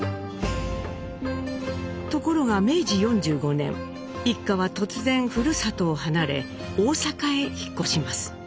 ところが明治４５年一家は突然ふるさとを離れ大阪へ引っ越します。